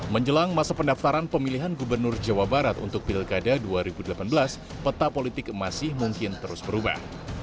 menjelang masa pendaftaran pemilihan gubernur jawa barat untuk pilkada dua ribu delapan belas peta politik masih mungkin terus berubah